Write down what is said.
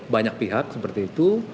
banyak pihak seperti itu